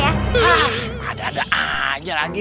ada ada aja lagi